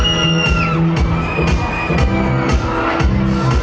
ไม่ต้องถามไม่ต้องถาม